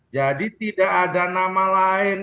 jadi tidak ada nama lain